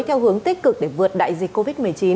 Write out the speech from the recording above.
theo hướng tích cực để vượt đại dịch covid một mươi chín